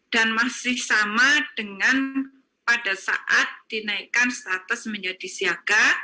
dan masih sama dengan pada saat dinaikkan status menjadi siaga